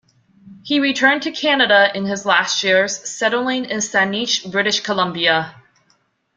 He returned to Canada in his last years, settling in Saanich, British Columbia.